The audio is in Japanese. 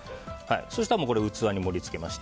そうしたら器に盛り付けます。